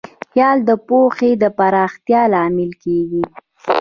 خیال د پوهې د پراختیا لامل کېږي.